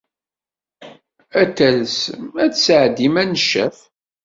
Ad talsem ad d-tesɛeddim aneccaf.